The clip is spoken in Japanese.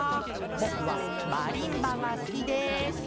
ぼくはマリンバがすきです！」。